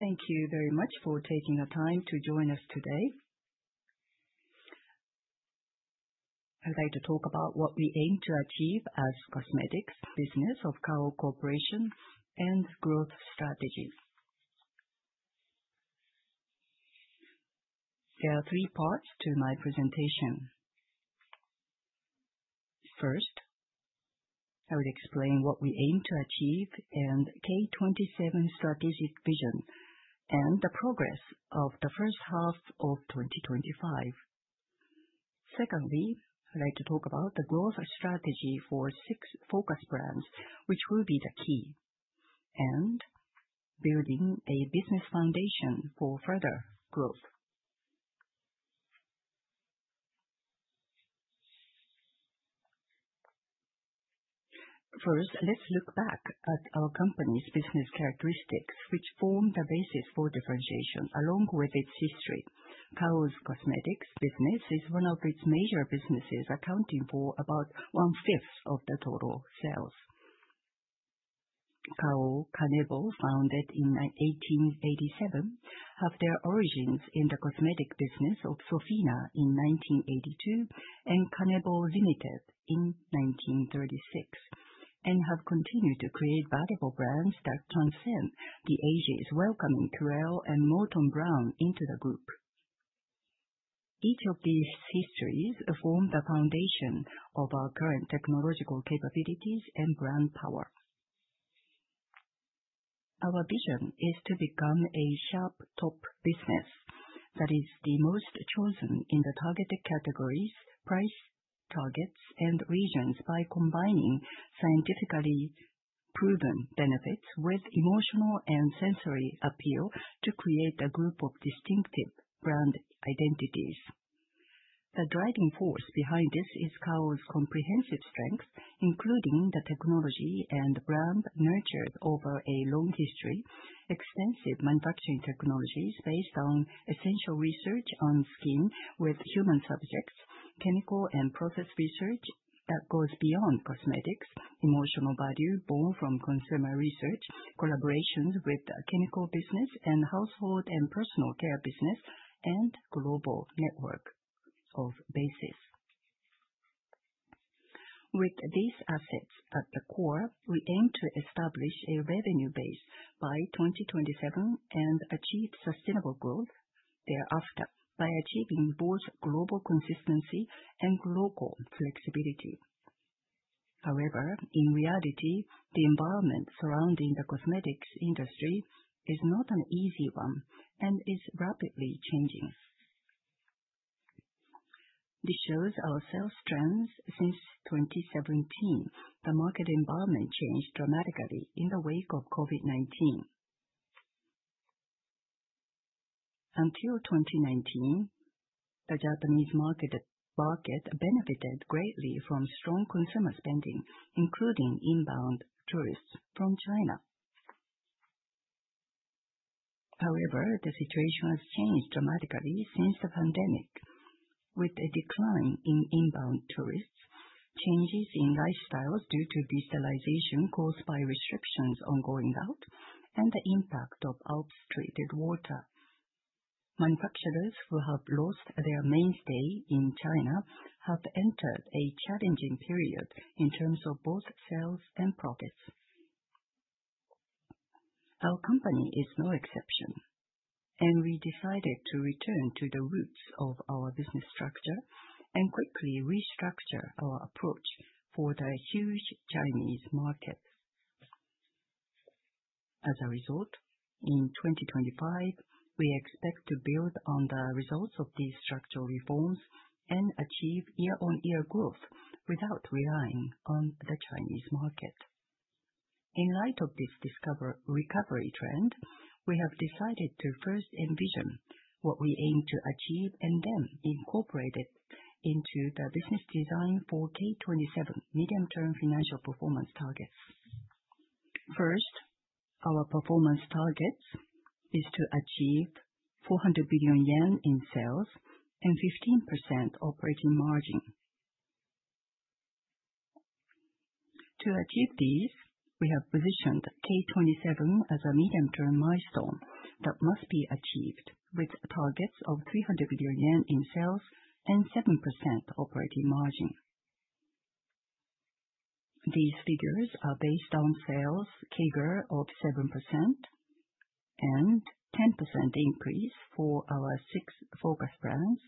Thank you very much for taking the time to join us today. I would like to talk about what we aim to achieve as cosmetics business of Kao Corporation and growth strategies. There are three parts to my presentation. First, I will explain what we aim to achieve and K27 strategic vision and the progress of the first half of 2025. Secondly, I'd like to talk about the growth strategy for six focus brands, which will be the key, and building a business foundation for further growth. First, let's look back at our company's business characteristics, which form the basis for differentiation along with its history. Kao's cosmetics business is one of its major businesses, accounting for about one fifth of the total sales. Kao, Kanebo, founded in 1887, have their origins in the cosmetic business of SOFINA in 1982, and Kanebo, Ltd. in 1936, and have continued to create valuable brands that transcend the ages, welcoming Curél and MOLTON BROWN into the group. Each of these histories form the foundation of our current technological capabilities and brand power. Our vision is to become a sharp top business that is the most chosen in the targeted categories, price targets, and regions by combining scientifically proven benefits with emotional and sensory appeal to create a group of distinctive brand identities. The driving force behind this is Kao's comprehensive strength, including the technology and brand nurtured over a long history, extensive manufacturing technologies based on essential research on skin with human subjects, chemical and process research that goes beyond cosmetics, emotional value born from consumer research, collaborations with chemical business and household and personal care business, and global network of bases. With these assets at the core, we aim to establish a revenue base by 2027 and achieve sustainable growth thereafter by achieving both global consistency and local flexibility. In reality, the environment surrounding the cosmetics industry is not an easy one and is rapidly changing. This shows our sales trends since 2017. The market environment changed dramatically in the wake of COVID-19. Until 2019, the Japanese market benefited greatly from strong consumer spending, including inbound tourists from China. The situation has changed dramatically since the pandemic with a decline in inbound tourists, changes in lifestyles due to digitalization caused by restrictions on going out, and the impact of orchestrated water. Manufacturers who have lost their mainstay in China have entered a challenging period in terms of both sales and profits. Our company is no exception, we decided to return to the roots of our business structure and quickly restructure our approach for the huge Chinese market. As a result, in 2025, we expect to build on the results of these structural reforms and achieve year-on-year growth without relying on the Chinese market. In light of this recovery trend, we have decided to first envision what we aim to achieve and then incorporate it into the business design for K27 medium-term financial performance targets. First, our performance targets is to achieve 400 billion yen in sales and 15% operating margin. To achieve these, we have positioned K27 as a medium-term milestone that must be achieved with targets of 300 billion yen in sales and 7% operating margin. These figures are based on sales CAGR of 7% and 10% increase for our six focus brands,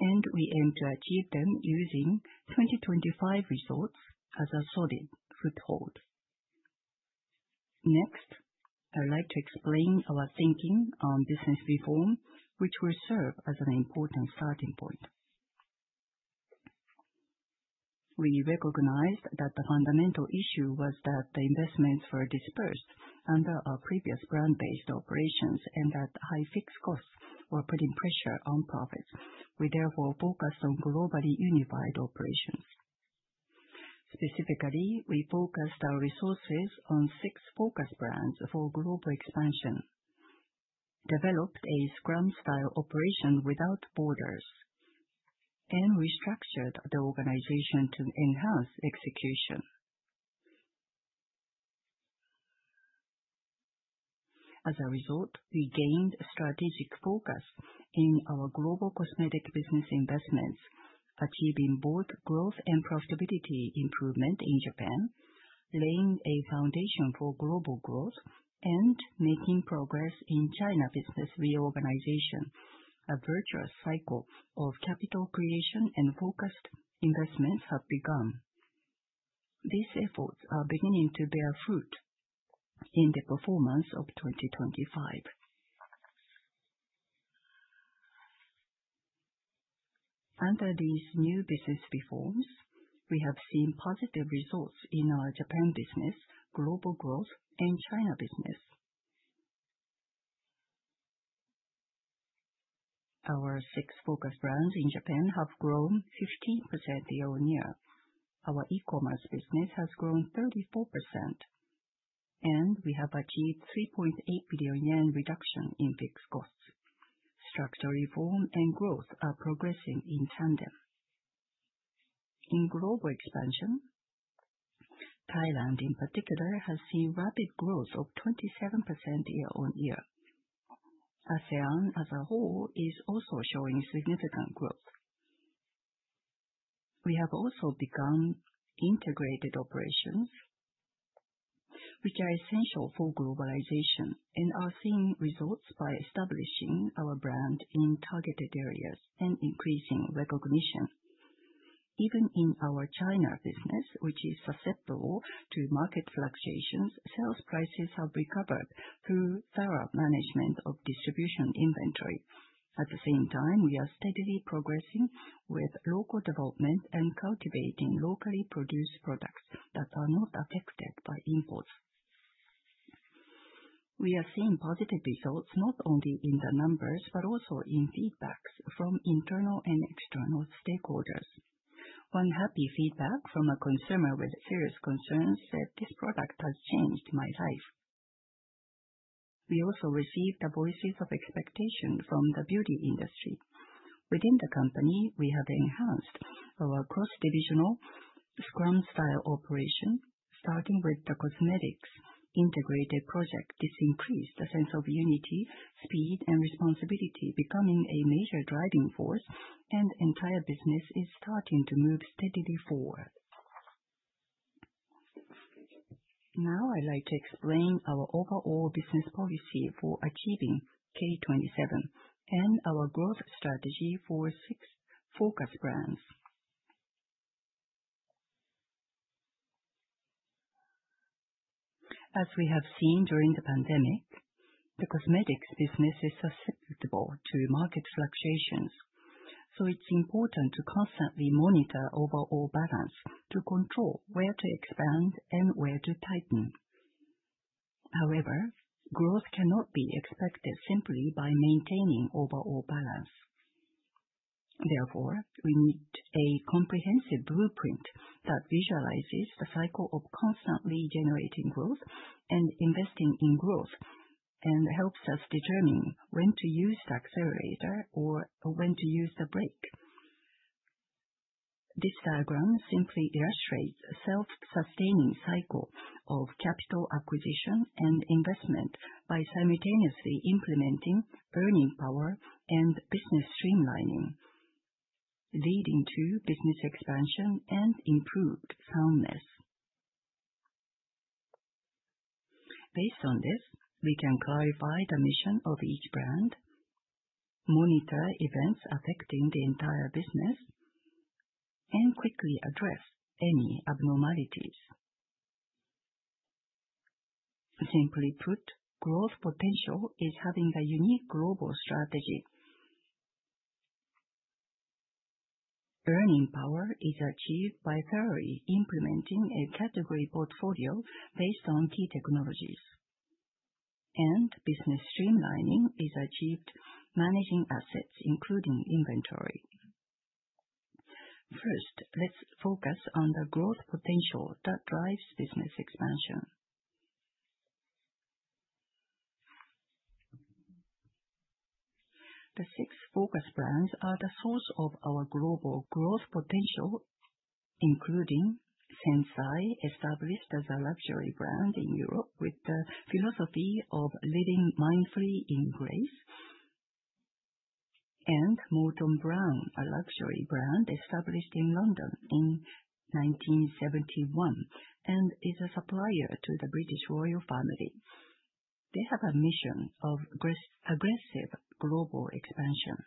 and we aim to achieve them using 2025 results as a solid foothold. I would like to explain our thinking on business reform, which will serve as an important starting point. We recognized that the fundamental issue was that the investments were dispersed under our previous brand-based operations and that high fixed costs were putting pressure on profits. We therefore focused on globally unified operations. Specifically, we focused our resources on six focus brands for global expansion, developed a scrum-style operation without borders. Restructured the organization to enhance execution. As a result, we gained strategic focus in our global cosmetic business investments, achieving both growth and profitability improvement in Japan, laying a foundation for global growth and making progress in China business reorganization. A virtuous cycle of capital creation and focused investments have begun. These efforts are beginning to bear fruit in the performance of 2025. Under these new business reforms, we have seen positive results in our Japan business, global growth, and China business. Our six focus brands in Japan have grown 15% year-on-year. Our e-commerce business has grown 34%, and we have achieved 3.8 billion yen reduction in fixed costs. Structural reform and growth are progressing in tandem. In global expansion, Thailand, in particular, has seen rapid growth of 27% year-on-year. ASEAN, as a whole, is also showing significant growth. We have also begun integrated operations, which are essential for globalization and are seeing results by establishing our brand in targeted areas and increasing recognition. Even in our China business, which is susceptible to market fluctuations, sales prices have recovered through thorough management of distribution inventory. At the same time, we are steadily progressing with local development and cultivating locally produced products that are not affected by imports. We are seeing positive results not only in the numbers, but also in feedbacks from internal and external stakeholders. One happy feedback from a consumer with serious concerns said, "This product has changed my life." We also received the voices of expectation from the beauty industry. Within the company, we have enhanced our cross-divisional scrum-style operation, starting with the cosmetics integrated project. This increased the sense of unity, speed, and responsibility, becoming a major driving force, and the entire business is starting to move steadily forward. I'd like to explain our overall business policy for achieving K27 and our growth strategy for six focus brands. As we have seen during the pandemic, the cosmetics business is susceptible to market fluctuations, so it's important to constantly monitor overall balance to control where to expand and where to tighten. However, growth cannot be expected simply by maintaining overall balance. Therefore, we need a comprehensive blueprint that visualizes the cycle of constantly generating growth and investing in growth and helps us determine when to use the accelerator or when to use the brake. This diagram simply illustrates a self-sustaining cycle of capital acquisition and investment by simultaneously implementing earning power and business streamlining, leading to business expansion and improved soundness. Based on this, we can clarify the mission of each brand, monitor events affecting the entire business, and quickly address any abnormalities. Simply put, growth potential is having a unique global strategy. Earning power is achieved by thoroughly implementing a category portfolio based on key technologies, and business streamlining is achieved managing assets, including inventory. First, let's focus on the growth potential that drives business expansion. The six focus brands are the source of our global growth potential, including SENSAI, established as a luxury brand in Europe with the philosophy of living mindfully in grace, and MOLTON BROWN, a luxury brand established in London in 1971 and is a supplier to the British royal family. They have a mission of aggressive global expansion.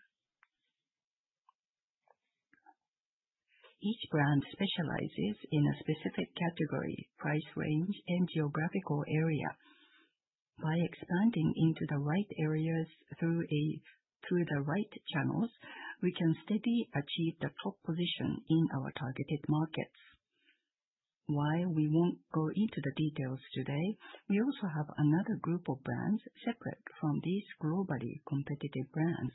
Each brand specializes in a specific category, price range, and geographical area. By expanding into the right areas through the right channels, we can steadily achieve the top position in our targeted markets. While we won't go into the details today, we also have another group of brands separate from these globally competitive brands.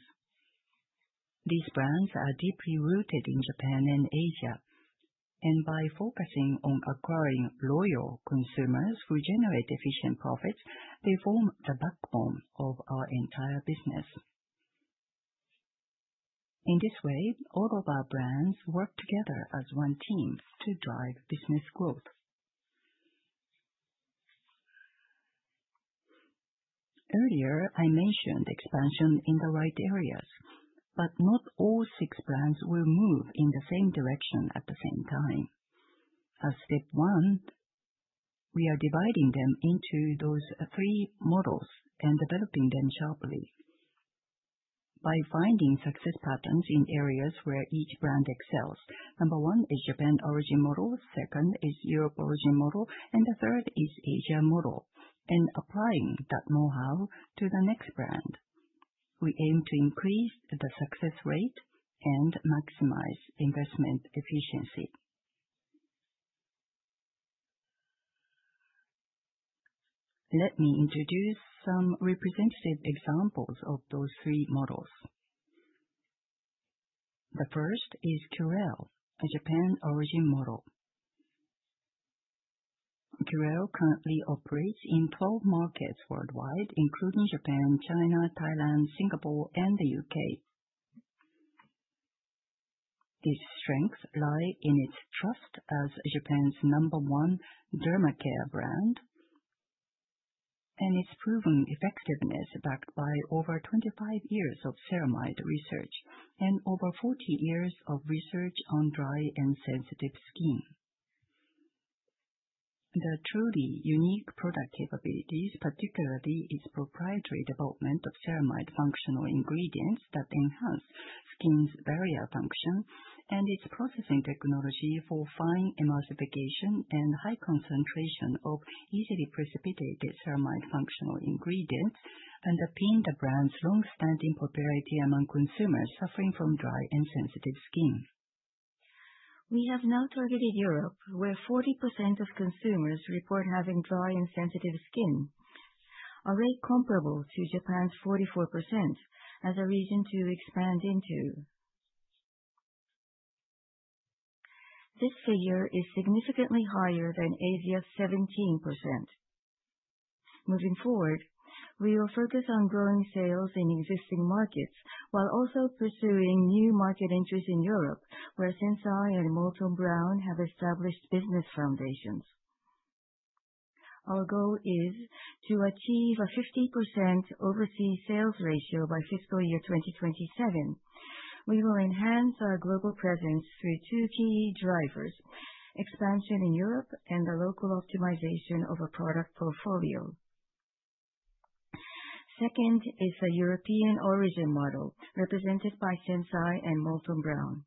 These brands are deeply rooted in Japan and Asia. By focusing on acquiring loyal consumers who generate efficient profits, they form the backbone of our entire business. In this way, all of our brands work together as one team to drive business growth. Earlier, I mentioned expansion in the right areas, but not all six brands will move in the same direction at the same time. As step 1, we are dividing them into those three models and developing them sharply by finding success patterns in areas where each brand excels. Number 1 is Japan origin model, second is Europe origin model, and the third is Asia model. In applying that know-how to the next brand, we aim to increase the success rate and maximize investment efficiency. Let me introduce some representative examples of those three models. The first is Curél, a Japan origin model. Curél currently operates in 12 markets worldwide, including Japan, China, Thailand, Singapore, and the U.K. Its strengths lie in its trust as Japan's number 1 derma care brand and its proven effectiveness, backed by over 25 years of ceramide research and over 40 years of research on dry and sensitive skin. The truly unique product capabilities, particularly its proprietary development of ceramide functional ingredients that enhance skin's barrier function and its processing technology for fine emulsification and high concentration of easily precipitated ceramide functional ingredients, underpin the brand's long-standing popularity among consumers suffering from dry and sensitive skin. We have now targeted Europe, where 40% of consumers report having dry and sensitive skin, a rate comparable to Japan's 44%, as a region to expand into. This figure is significantly higher than Asia's 17%. Moving forward, we will focus on growing sales in existing markets while also pursuing new market entries in Europe, where SENSAI and MOLTON BROWN have established business foundations. Our goal is to achieve a 50% overseas sales ratio by fiscal year 2027. We will enhance our global presence through two key drivers, expansion in Europe and the local optimization of our product portfolio. Second is the European origin model represented by SENSAI and MOLTON BROWN.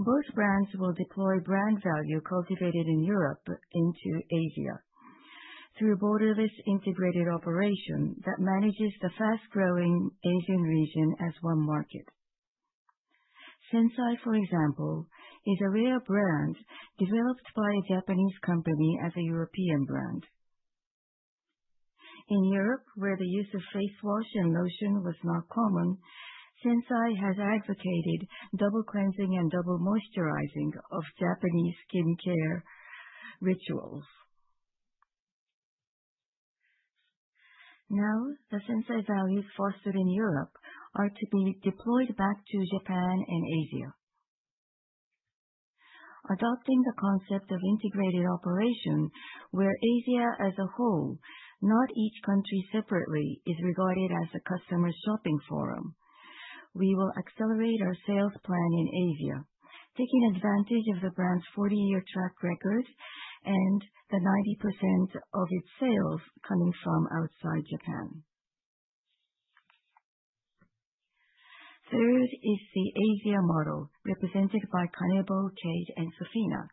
Both brands will deploy brand value cultivated in Europe into Asia through borderless integrated operation that manages the fast-growing Asian region as one market. SENSAI, for example, is a rare brand developed by a Japanese company as a European brand. In Europe, where the use of face wash and lotion was not common, SENSAI has advocated double cleansing and double moisturizing of Japanese skincare rituals. Now, the SENSAI values fostered in Europe are to be deployed back to Japan and Asia. Adopting the concept of integrated operation where Asia as a whole, not each country separately, is regarded as a customer shopping forum. We will accelerate our sales plan in Asia, taking advantage of the brand's 40-year track record and the 90% of its sales coming from outside Japan. Third is the Asia model represented by Kanebo, KATE, and SOFINA.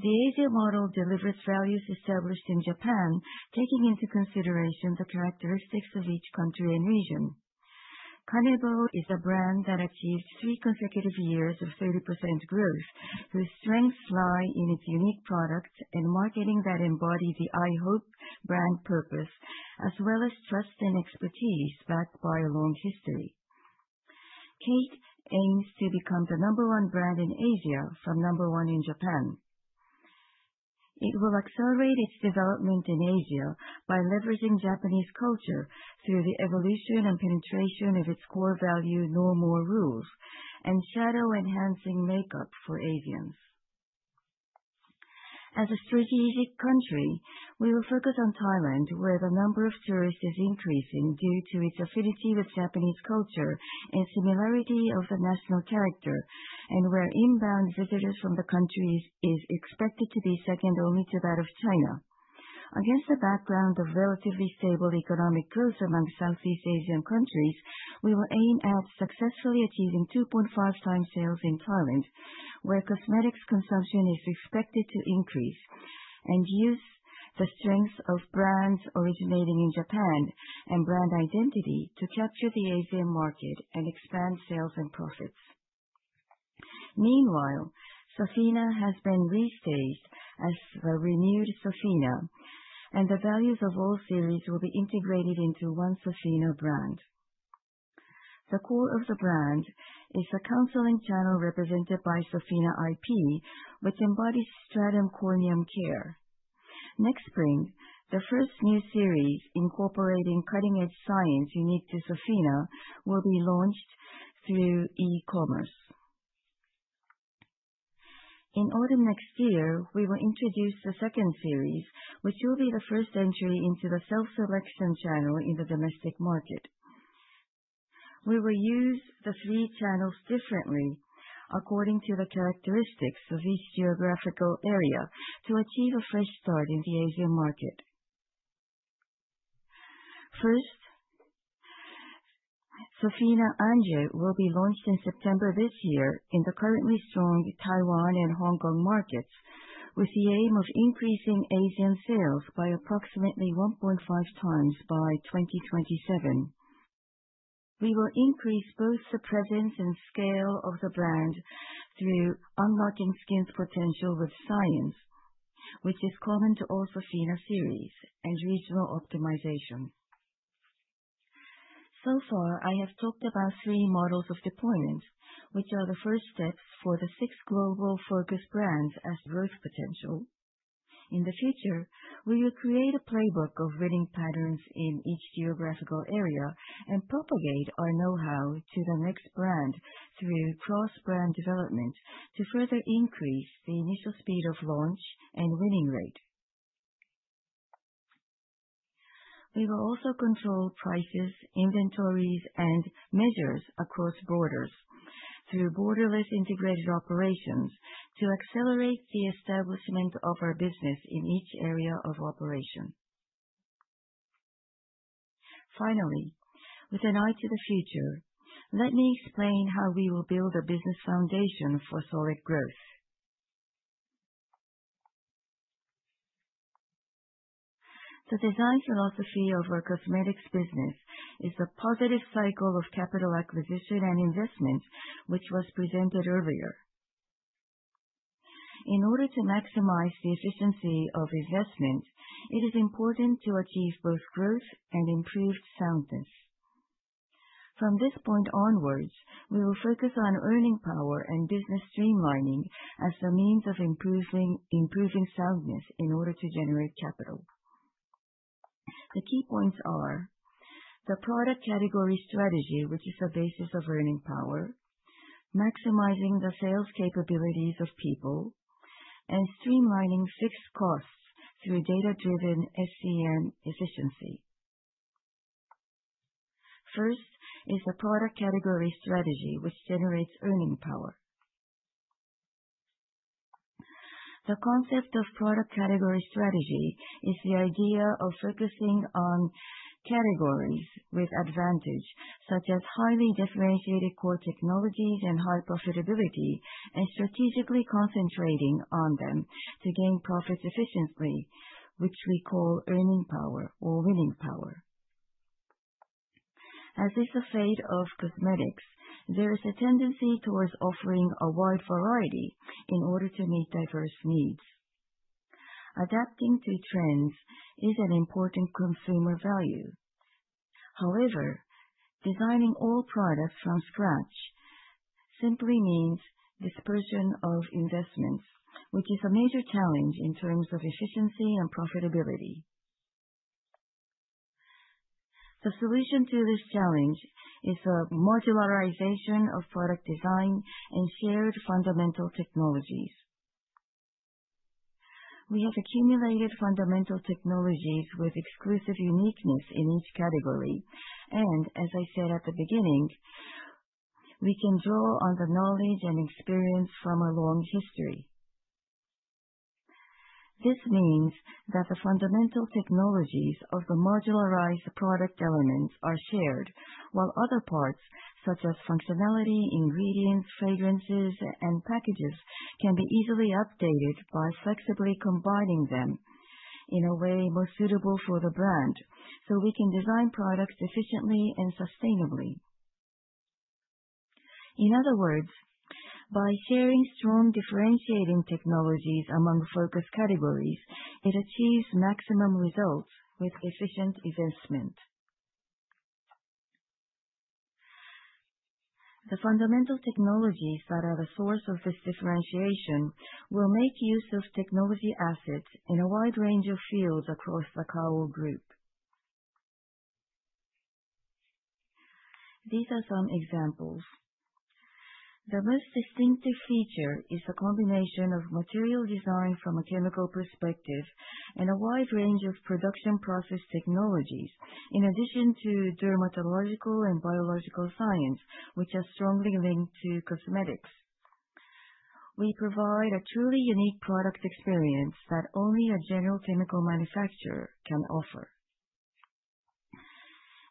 The Asia model delivers values established in Japan, taking into consideration the characteristics of each country and region. Kanebo is a brand that achieved three consecutive years of 30% growth, whose strengths lie in its unique products and marketing that embody the I Hope brand purpose, as well as trust and expertise backed by a long history. KATE aims to become the number one brand in Asia from number one in Japan. It will accelerate its development in Asia by leveraging Japanese culture through the evolution and penetration of its core value, NO MORE RULES, and shadow-enhancing makeup for Asians. As a strategic country, we will focus on Thailand, where the number of tourists is increasing due to its affinity with Japanese culture and similarity of the national character, and where inbound visitors from the country is expected to be second only to that of China. Against the background of relatively stable economic growth among Southeast Asian countries, we will aim at successfully achieving 2.5 times sales in Thailand, where cosmetics consumption is expected to increase, and use the strength of brands originating in Japan and brand identity to capture the Asian market and expand sales and profits. Meanwhile, SOFINA has been restaged as a renewed SOFINA. The values of all series will be integrated into One Sofina brand. The core of the brand is the counseling channel represented by SOFINA iP, which embodies stratum corneum care. Next spring, the first new series incorporating cutting-edge science unique to SOFINA will be launched through e-commerce. In autumn next year, we will introduce the second series, which will be the first entry into the self-selection channel in the domestic market. We will use the three channels differently according to the characteristics of each geographical area to achieve a fresh start in the Asian market. First, Sofina Ange will be launched in September this year in the currently strong Taiwan and Hong Kong markets, with the aim of increasing Asian sales by approximately 1.5 times by 2027. We will increase both the presence and scale of the brand through unlocking skin's potential with science, which is common to all SOFINA series, and regional optimization. So far, I have talked about three models of deployment, which are the first steps for the six global focus brands as growth potential. In the future, we will create a playbook of winning patterns in each geographical area and propagate our know-how to the next brand through cross-brand development to further increase the initial speed of launch and winning rate. We will also control prices, inventories, and measures across borders through borderless integrated operations to accelerate the establishment of our business in each area of operation. Finally, with an eye to the future, let me explain how we will build a business foundation for solid growth. The design philosophy of our cosmetics business is the positive cycle of capital acquisition and investment, which was presented earlier. In order to maximize the efficiency of investment, it is important to achieve both growth and improved soundness. From this point onwards, we will focus on earning power and business streamlining as a means of improving soundness in order to generate capital. The key points are: the product category strategy, which is the basis of earning power, maximizing the sales capabilities of people, and streamlining fixed costs through data-driven SCM efficiency. First is the product category strategy, which generates earning power. The concept of product category strategy is the idea of focusing on categories with advantage, such as highly differentiated core technologies and high profitability, and strategically concentrating on them to gain profits efficiently, which we call earning power or winning power. As is the fate of cosmetics, there is a tendency towards offering a wide variety in order to meet diverse needs. Adapting to trends is an important consumer value. However, designing all products from scratch simply means dispersion of investments, which is a major challenge in terms of efficiency and profitability. The solution to this challenge is the modularization of product design and shared fundamental technologies. We have accumulated fundamental technologies with exclusive uniqueness in each category. As I said at the beginning, we can draw on the knowledge and experience from a long history. This means that the fundamental technologies of the modularized product elements are shared, while other parts, such as functionality, ingredients, fragrances, and packages, can be easily updated by flexibly combining them in a way more suitable for the brand, so we can design products efficiently and sustainably. In other words, by sharing strong differentiating technologies among focus categories, it achieves maximum results with efficient investment. The fundamental technologies that are the source of this differentiation will make use of technology assets in a wide range of fields across the Kao Group. These are some examples. The most distinctive feature is the combination of material design from a chemical perspective and a wide range of production process technologies, in addition to dermatological and biological science, which are strongly linked to cosmetics. We provide a truly unique product experience that only a general chemical manufacturer can offer.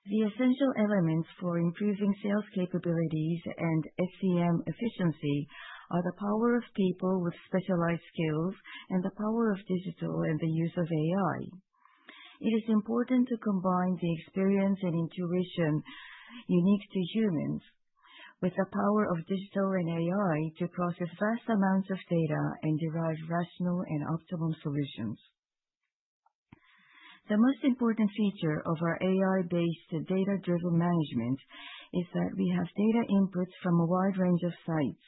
The essential elements for improving sales capabilities and SCM efficiency are the power of people with specialized skills and the power of digital and the use of AI. It is important to combine the experience and intuition unique to humans with the power of digital and AI to process vast amounts of data and derive rational and optimal solutions. The most important feature of our AI-based data-driven management is that we have data inputs from a wide range of sites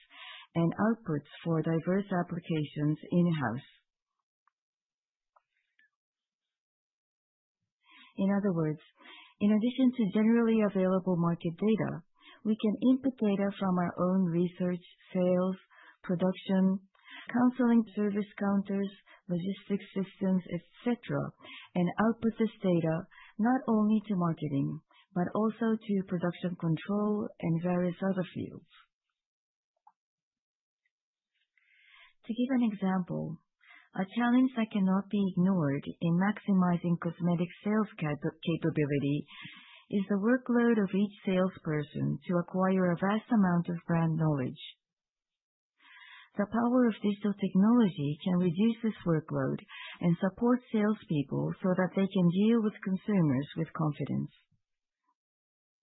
and outputs for diverse applications in-house. In other words, in addition to generally available market data, we can input data from our own research, sales, production, counseling, service counters, logistics systems, et cetera, and output this data not only to marketing, but also to production control and various other fields. To give an example, a challenge that cannot be ignored in maximizing cosmetic sales capability is the workload of each salesperson to acquire a vast amount of brand knowledge. The power of digital technology can reduce this workload and support salespeople so that they can deal with consumers with confidence.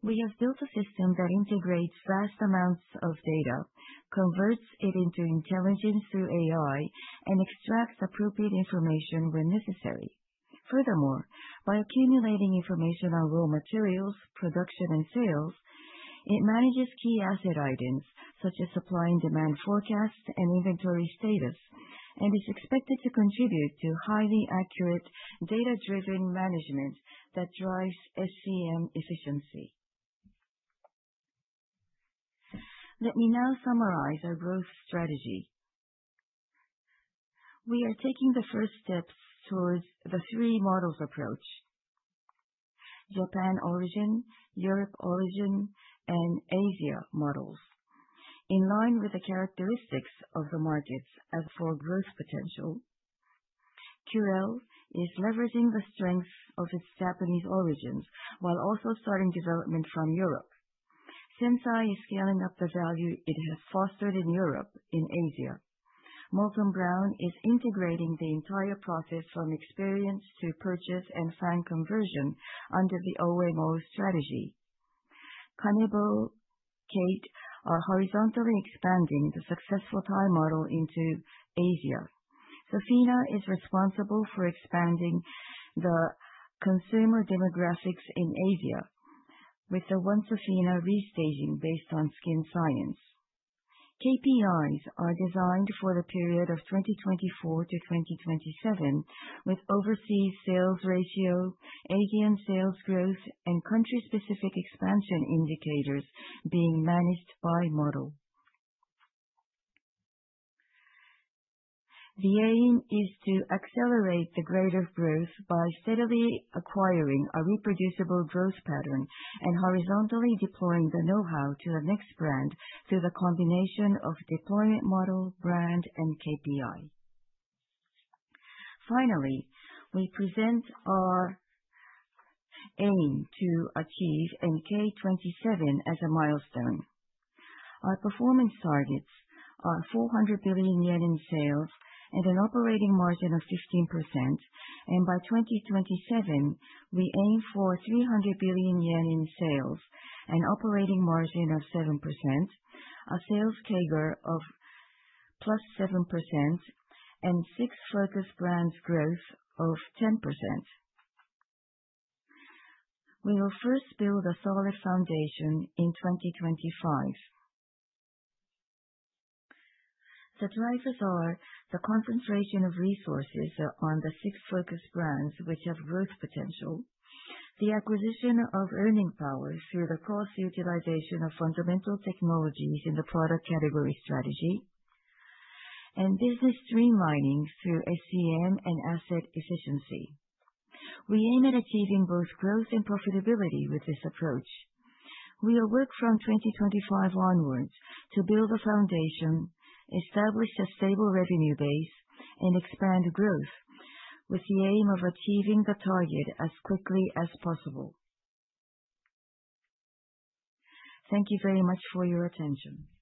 We have built a system that integrates vast amounts of data, converts it into intelligence through AI, and extracts appropriate information when necessary. Furthermore, by accumulating information on raw materials, production, and sales, it manages key asset items such as supply and demand forecasts and inventory status, and is expected to contribute to highly accurate data-driven management that drives SCM efficiency. Let me now summarize our growth strategy. We are taking the first steps towards the three models approach. Japan origin, Europe origin, and Asia models. In line with the characteristics of the markets. As for growth potential, Curél is leveraging the strength of its Japanese origins while also starting development from Europe. SENSAI is scaling up the value it has fostered in Europe, in Asia. MOLTON BROWN is integrating the entire process from experience to purchase and fan conversion under the OMO strategy. KANEBO, KATE are horizontally expanding the successful Thai model into Asia. SOFINA is responsible for expanding the consumer demographics in Asia with the One Sofina restaging based on skin science. KPIs are designed for the period of 2024 to 2027, with overseas sales ratio, AGM sales growth, and country-specific expansion indicators being managed by model. The aim is to accelerate the greater growth by steadily acquiring a reproducible growth pattern and horizontally deploying the know-how to the next brand through the combination of deployment model, brand, and KPI. Finally, we present our aim to achieve K27 as a milestone. Our performance targets are 400 billion yen in sales and an operating margin of 15%, and by 2027, we aim for 300 billion yen in sales, an operating margin of 7%, a sales CAGR of +7%, and six focused brands growth of 10%. We will first build a solid foundation in 2025. The drivers are the concentration of resources on the six focused brands, which have growth potential, the acquisition of earning power through the cross-utilization of fundamental technologies in the product category strategy, and business streamlining through SCM and asset efficiency. We aim at achieving both growth and profitability with this approach. We will work from 2025 onwards to build a foundation, establish a stable revenue base, and expand growth with the aim of achieving the target as quickly as possible. Thank you very much for your attention.